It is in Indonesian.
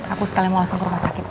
aku sekali mau langsung ke rumah sakit